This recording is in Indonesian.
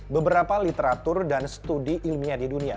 beberapa literatur dan studi ilmiah di dunia